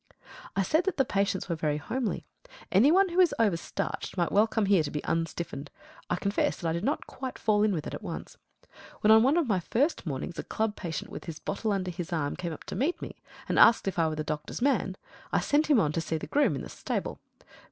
I said that the patients were very homely. Any one who is over starched might well come here to be unstiffened. I confess that I did not quite fall in with it at once. When on one of my first mornings a club patient with his bottle under his arm came up to me and asked me if I were the doctor's man, I sent him on to see the groom in the stable.